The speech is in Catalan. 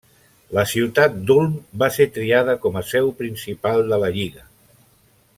La ciutat d'Ulm va ser triada com a seu principal de la lliga.